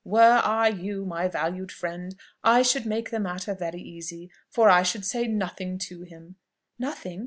"Were I you, my valued friend, I should make the matter very easy, for I should say nothing to him." "Nothing?